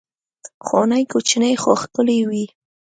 خونې کوچنۍ خو ښکلې وې.